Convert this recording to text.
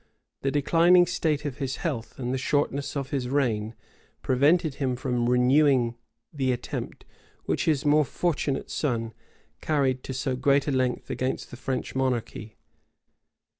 The declining state of his health, and the shortness of his reign, prevented him from renewing the attempt, which his more fortunate son carried to so great a length against the French monarchy.